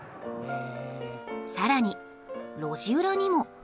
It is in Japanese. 更に路地裏にも！